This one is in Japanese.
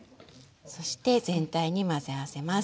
そして全体に混ぜ合わせます。